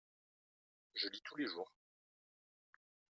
je lis tous les jours.